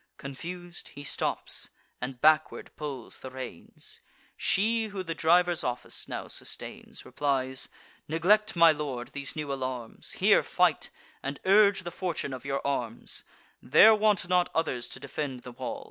Confus'd, he stops, and backward pulls the reins. She who the driver's office now sustains, Replies: "Neglect, my lord, these new alarms; Here fight, and urge the fortune of your arms: There want not others to defend the wall.